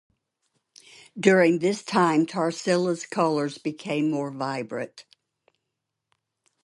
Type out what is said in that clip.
During this time, Tarsila's colors became more vibrant.